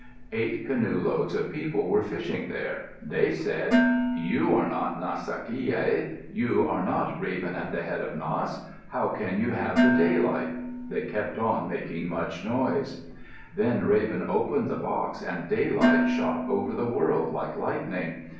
Eight canoe loads of people were fishing there. They said, "You are not Nas ca ki yel. You are not Raven at the head of Nass. How can you have the daylight?" They kept on making much noise. Then Raven opened the box and daylight shot over the world like lightning.